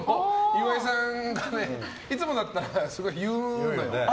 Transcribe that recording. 岩井さんがいつもだったらすごい言うんだけど。